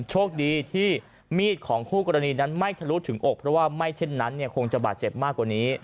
โชคดีที่มีดของคู่กรณีนั้นไม่ทะลุถึงอกเพราะว่าไม่เช่นนั้นคงจะบาดเจ็บมากกว่านี้